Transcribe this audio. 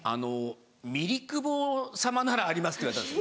「ミリクボ様ならあります」って言われたんですよ。